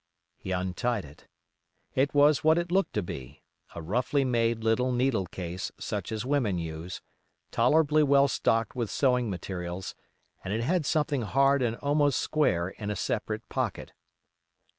He untied it. It was what it looked to be: a roughly made little needle case such as women use, tolerably well stocked with sewing materials, and it had something hard and almost square in a separate pocket.